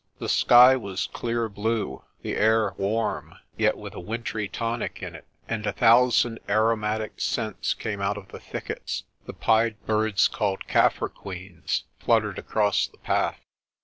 The sky was clear blue, the air warm, yet with a wintry tonic in it, and a thousand aromatic scents came out of the thickets. The pied birds called "Kaffir queens" fluttered across the path.